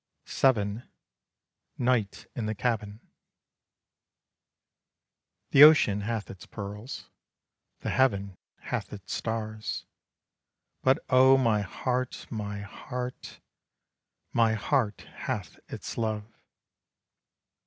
VII. NIGHT IN THE CABIN. The ocean hath its pearls, The heaven hath its stars, But oh, my heart, my heart, My heart hath its love.